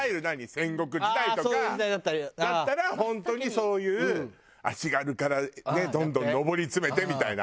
戦国時代とかだったら本当にそういう足軽からどんどん上り詰めてみたいな。